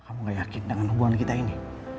kamu gak yakin dengan hubungan kita ini